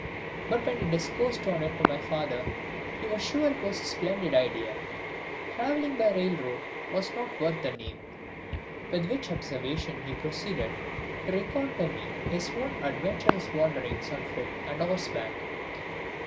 But when I discoursed on it to my father he was sure it was a splendid idea travelling by railroad was not worth the name! With which observation he proceeded to recount to me his own adventurous wanderings on foot and horseback.